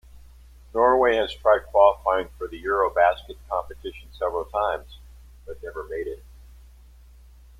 Norway has tried qualifying for the Eurobasket competition several times, but never made it.